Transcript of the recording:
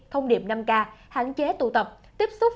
thông điệp năm k hạn chế tụ tập tiếp xúc